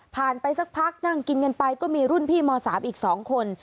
ไปสักพักนั่งกินกันไปก็มีรุ่นพี่ม๓อีก๒คน